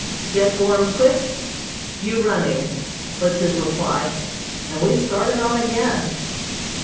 "Get warm quick you running," was his reply, and we started on again.